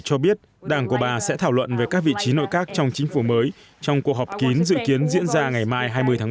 cho biết đảng của bà sẽ thảo luận về các vị trí nội các trong chính phủ mới trong cuộc họp kín dự kiến diễn ra ngày mai hai mươi tháng bốn